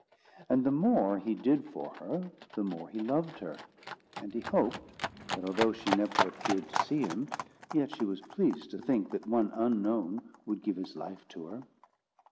And the more he did for her, the more he loved her; and he hoped that, although she never appeared to see him, yet she was pleased to think that one unknown would give his life to her.